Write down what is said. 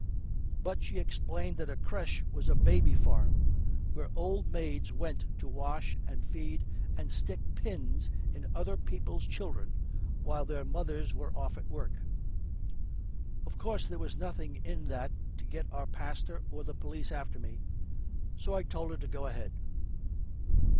But she explained that a crèche was a baby farm, where old maids went to wash and feed and stick pins in other people's children while their mothers were off at work. Of course, there was nothing in that to get our pastor or the police after me, so I told her to go ahead.